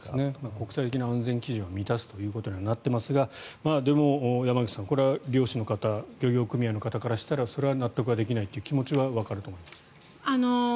国際的な安全基準は満たすことにはなっていますがでも、山口さんこれは漁師の方漁業組合の方からしたらそれは納得できないという気持ちはわかりますが。